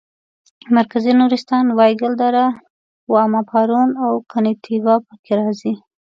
مرکزي نورستان وایګل دره واما پارون او کنتیوا پکې راځي.